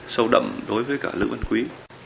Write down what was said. sâu đậm đối với cả lữ vân quý